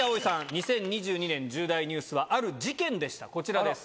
２０２２年重大ニュースはある事件でしたこちらです。